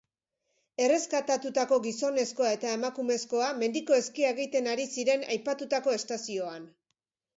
Erreskatatutako gizonezkoa eta emakumezkoa mendiko eskia egiten ari ziren aipatutako estazioan.